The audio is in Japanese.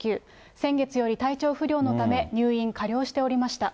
先月より体調不良のため、入院、加療しておりました。